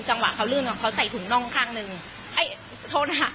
จังหวะเขาลื่นของเขาใส่ถุงน่องข้างหนึ่งไอ้โทษนะคะ